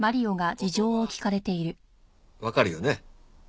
言葉わかるよね？